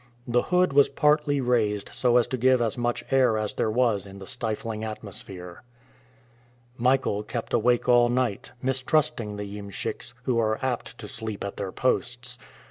The hood was partly raised so as to give as much air as there was in the stifling atmosphere. Michael kept awake all night, mistrusting the iemschiks, who are apt to sleep at their posts.